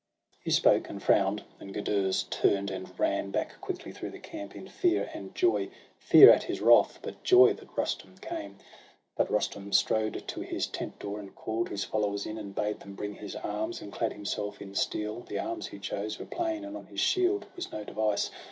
He spoke, and frown'd ; and Gudurz turn'd, and ran Back quickly through the camp in fear and joy. Fear at his wrath, but joy that Rustum came. But Rustum strode to his tent door, and call'd His followers in, and bade them bring his arms, And clad himself in steel; the arms he chose Were plain, and on his shield was no device.